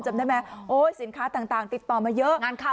จำได้ไหมโอ้ยสินค้าต่างติดต่อมาเยอะ